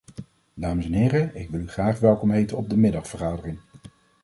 Dames en heren, ik wil u graag welkom heten op de middagvergadering.